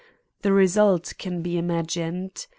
The result can be imagined.